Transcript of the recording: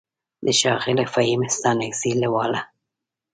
د ښاغلي فهيم ستانکزي له واله: